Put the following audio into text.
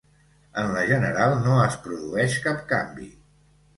En la general no es produeix cap canvi.